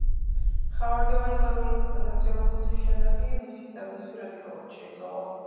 ხავერდოვანი რევოლუციის შემდეგ კი მისი სტატუსი რადიკალურად შეიცვალა.